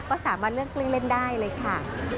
ก็สามารถเลือกเล่นได้เลยค่ะ